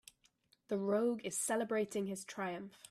The rogue is celebrating his triumph.